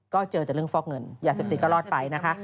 ก็เจอแต่เรื่องฟอกเงินยาเสพติดก็รอดไปนะคะ